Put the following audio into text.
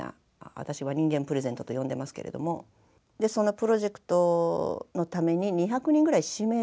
私は人間プレゼントと呼んでますけれどもそのプロジェクトのために２００人ぐらい指名されるんですね。